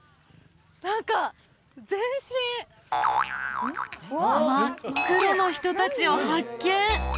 何か全身真っ黒の人達を発見！